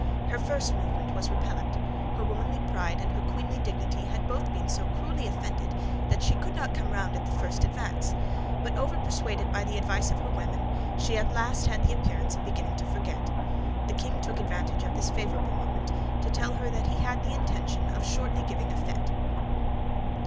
Her first movement was repellent. Her womanly pride and her queenly dignity had both been so cruelly offended that she could not come round at the first advance; but, overpersuaded by the advice of her women, she at last had the appearance of beginning to forget. The king took advantage of this favorable moment to tell her that he had the intention of shortly giving a fête.